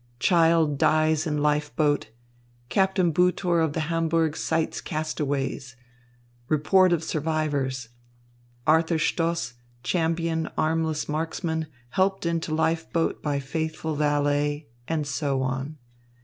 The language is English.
"Child dies in life boat. Captain Butor of the Hamburg sights castaways. Report of survivors. Arthur Stoss, champion armless marksman, helped into life boat by faithful valet," and so on.